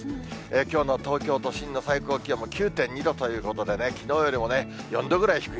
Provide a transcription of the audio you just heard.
きょうの東京都心の最高気温も９．２度ということで、きのうよりも４度ぐらい低い。